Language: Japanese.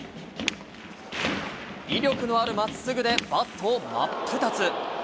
威力のあるまっすぐでバットを真っ二つ。